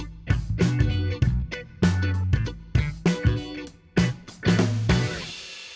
sekarang baru aja kita keluar nak gedung gedung